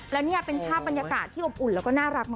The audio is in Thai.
แล้วนี่เป็นภาพบรรยากาศที่อบอุ่นแล้วก็น่ารักมาก